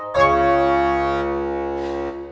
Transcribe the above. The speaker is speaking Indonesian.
bisa dikawal di rumah ini